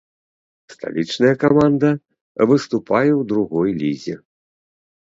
Сталічная каманда выступае ў другой лізе.